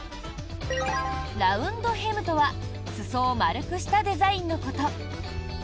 ラウンドヘムとは裾を丸くしたデザインのこと。